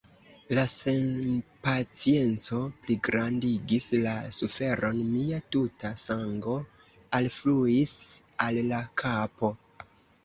La senpacienco pligrandigis la suferon; mia tuta sango alfluis al la kapo.